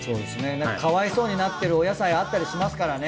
なんかかわいそうになってるお野菜あったりしますからね。